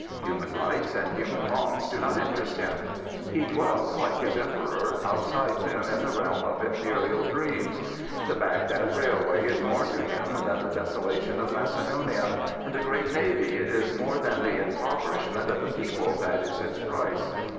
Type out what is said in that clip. Human rights and human wrongs do not interest him. He dwells, like his Emperor, outside them in the realm of Imperial 173 Prince Biilow dreams. The Baghdad Railway is more to him thair the desolation of Macedonia, and a great navy is more than the impoverishment of the people that is its price.